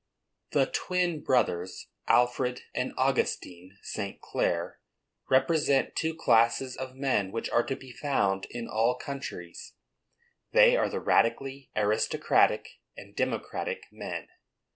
The twin brothers, Alfred and Augustine St. Clare, represent two classes of men which are to be found in all countries. They are the radically aristocratic and democratic men.